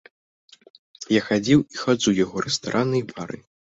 Я хадзіў і хаджу ў яго рэстараны і бары.